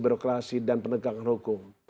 birokrasi dan penegakan hukum